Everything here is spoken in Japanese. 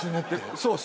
そうっす！